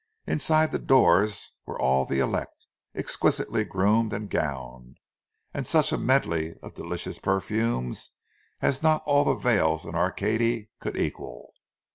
Inside the doors were all the elect, exquisitely groomed and gowned, and such a medley of delicious perfumes as not all the vales in Arcady could equal.